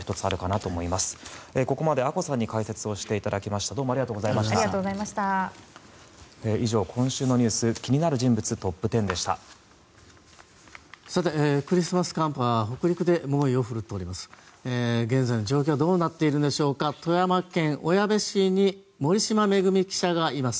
現在の状況どうなっているでしょうか富山県小矢部市に森嶋萌記者がいます。